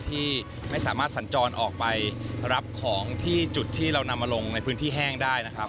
ที่ไม่สามารถสัญจรออกไปรับของที่จุดที่เรานำมาลงในพื้นที่แห้งได้นะครับ